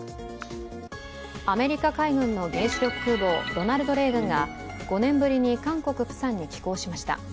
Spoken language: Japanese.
アメリカ海軍の原子力空母「ロナルド・レーガン」が５年ぶりに韓国・プサンに寄港しました。